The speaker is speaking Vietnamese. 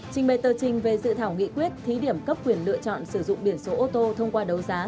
trình bày tờ trình về dự thảo nghị quyết thí điểm cấp quyền lựa chọn sử dụng biển số ô tô thông qua đấu giá